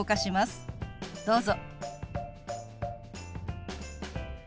どうぞ。